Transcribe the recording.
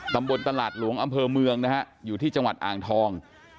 ตำบลตลาดหลวงอำเภอเมืองนะฮะอยู่ที่จังหวัดอ่างทอง